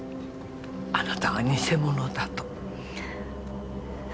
あなたが偽者だと。